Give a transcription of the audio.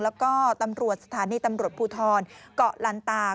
แล้วก็ตำรวจสถานีตำรวจภูทรเกาะลันตา